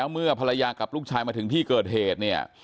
เมื่อภรรยากับลูกชายหนึ่งมาถึงที่เกิดเหตุ